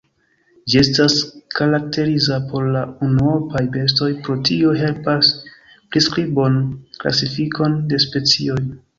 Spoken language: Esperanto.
Ĝi estas karakteriza por la unuopaj bestoj, pro tio helpas priskribon, klasifikon de specioj.